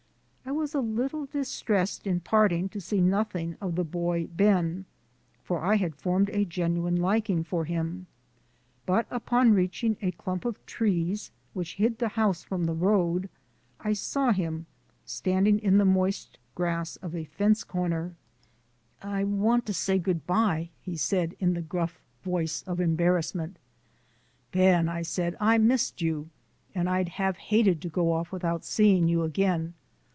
I was a little distressed in parting to see nothing of the boy Ben, for I had formed a genuine liking for him, but upon reaching a clump of trees which hid the house from the road I saw him standing in the moist grass of a fence corner. "I want to say good bye," he said in the gruff voice of embarrassment. "Ben," I said, "I missed you, and I'd have hated to go off without seeing you again.